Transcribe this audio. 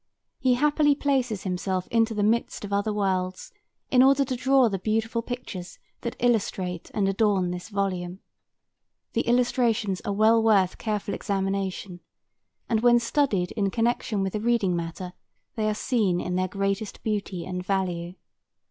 He happily places himself into the midst of other worlds in order to draw the beautiful pictures that illustrate and adorn this volume. The illustrations are well worth careful examination and when studied in connection with the reading matter they are seen in their greatest beauty and value.